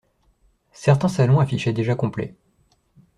Certains salons affichaient déjà complet.